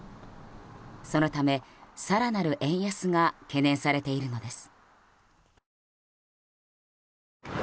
そのため、更なる円安が懸念されているのです。